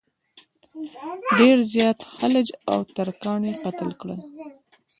ډېر زیات خلج او ترکان یې قتل کړل.